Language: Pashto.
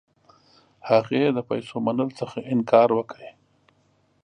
هغې د پیسو منلو څخه انکار وکړ.